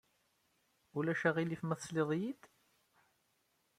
Ulac aɣilif ma tesliḍ-iyi-d?